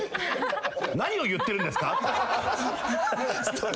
「何を言ってるんですか？」